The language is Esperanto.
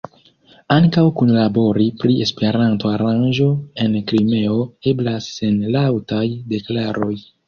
Ankaŭ kunlabori pri Esperanto-aranĝo en Krimeo eblas sen laŭtaj deklaroj.